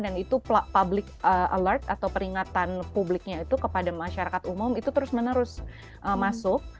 dan itu public alert atau peringatan publiknya itu kepada masyarakat umum itu terus menerus masuk